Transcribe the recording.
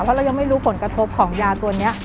เพราะเรายังไม่รู้ผลกระทบของยาตัวนี้